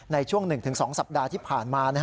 ในช่วง๑๒สัปดาห์ที่ผ่านมา